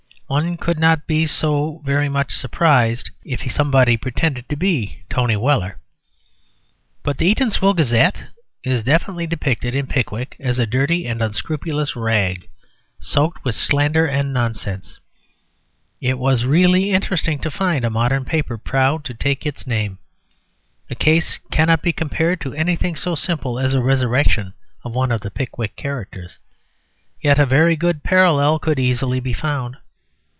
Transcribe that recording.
One could not be so very much surprised if somebody pretended to be Tony Weller. But the Eatanswill Gazette is definitely depicted in "Pickwick" as a dirty and unscrupulous rag, soaked with slander and nonsense. It was really interesting to find a modern paper proud to take its name. The case cannot be compared to anything so simple as a resurrection of one of the "Pickwick" characters; yet a very good parallel could easily be found.